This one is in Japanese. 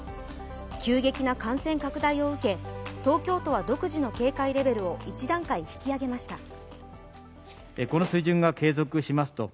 急激な感染拡大を受け東京都は独自の警戒レベルを１段階引き上げました。